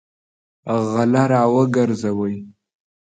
غله راوګرځوئ!